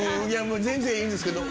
全然いいんですけど。